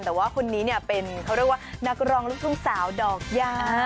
แต่ว่าคนนี้เนี่ยเป็นเขาเรียกว่านักร้องลูกทุ่งสาวดอกยา